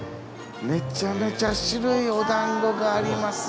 めちゃめちゃ種類お団子がありますよ。